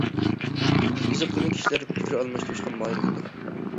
يۈزى قېلىن كىشىلەر پىكىر ئالماشتۇرۇشقا ماھىر كېلىدۇ.